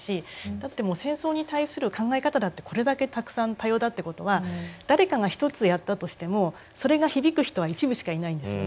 だってもう戦争に対する考え方だってこれだけたくさん多様だってことは誰かが一つやったとしてもそれが響く人は一部しかいないんですよね。